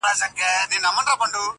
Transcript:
د شیطان پر پلونو پل ایښی انسان دی -